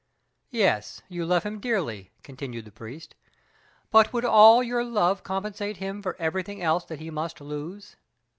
"Yes, you love him dearly," continued the priest; "but would all your love compensate him for everything else that he must lose?